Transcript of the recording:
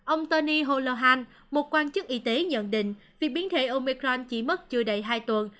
ông tony holohan một quan chức y tế nhận định việc biến thể omicron chỉ mất chưa đầy hai tuần